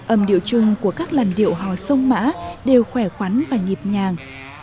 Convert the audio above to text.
âm điệu chung của các làn điệu hò sông mã đều khỏe khoắn và nhịp nhàng